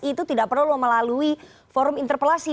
itu tidak perlu melalui forum interpelasi